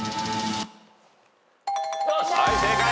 はい正解。